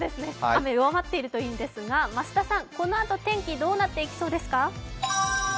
雨、弱まっているといいんですが、増田さん、このあと天気どうなっていきますか？